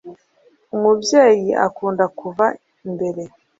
Umubyeyi akunda kuva mbere